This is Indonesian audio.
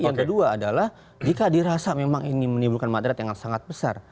yang kedua adalah jika dirasa memang ini menimbulkan maderat yang sangat besar